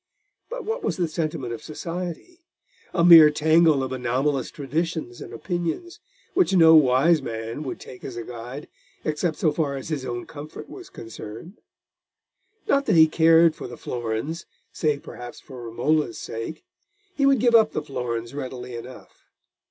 But what was the sentiment of society?—a mere tangle of anomalous traditions and opinions, which no wise man would take as a guide, except so far as his own comfort was concerned. Not that he cared for the florins save perhaps for Romola's sake: he would give up the florins readily enough.